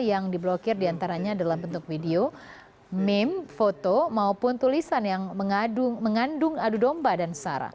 yang diblokir diantaranya dalam bentuk video meme foto maupun tulisan yang mengandung adu domba dan sara